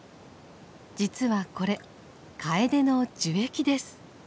実はこれカエデの樹液です。